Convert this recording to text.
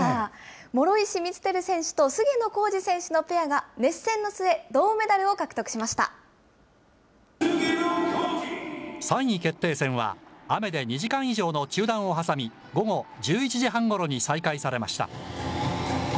諸石光照選手と菅野浩二選手のペアが、熱戦の末、銅メダルを獲得３位決定戦は、雨で２時間以上の中断を挟み、午後１１時半ごろに再開されました。